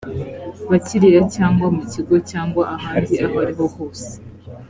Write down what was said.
bakiriya cyangwa mu kigo cyangwa ahandi ahoriho hose